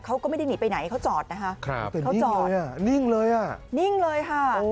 เขาก็ไม่ได้หนีไปไหนเขาจอดนะคะเขาจอดเนี่ยนิ่งเลยอ่ะนิ่งเลยค่ะ